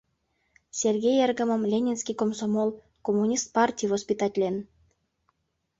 — Сергей эргымым ленинский комсомол, коммунист партий воспитатлен.